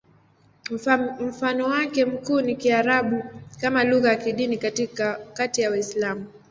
Mfano wake mkuu ni Kiarabu kama lugha ya kidini kati ya Waislamu.